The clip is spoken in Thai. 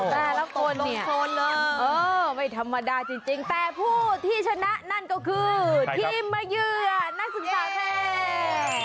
แต่ละคนเลยเออไม่ธรรมดาจริงแต่ผู้ที่ชนะนั่นก็คือทีมมาเยื่อนักศึกษาไทย